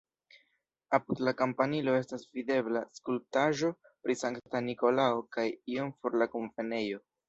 Apud la kampanilo estas videbla skulptaĵo pri Sankta Nikolao kaj iom for la kunvenejo.